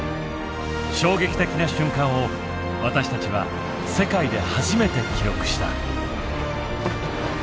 衝撃的な瞬間を私たちは世界で初めて記録した。